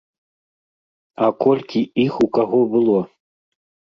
А колькі іх у каго было?